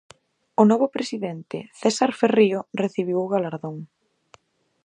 O novo presidente, César Ferrío, recibiu o galardón.